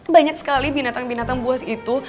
banyak sekali binatang binatang buas itu